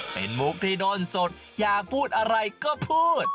เป็นมุกที่โดนสดอยากพูดอะไรก็พูด